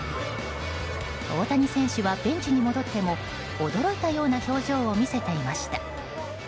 大谷選手は、ベンチに戻っても驚いたような表情を見せていました。